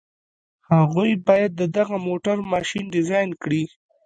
هغوی بايد د دغه موټر ماشين ډيزاين کړي.